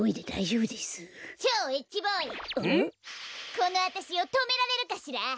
このあたしをとめられるかしら？